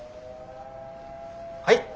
はい？